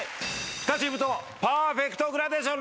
２チームともパーフェクトグラデーション。